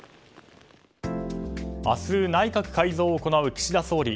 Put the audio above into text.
明日、内閣改造を行う岸田総理。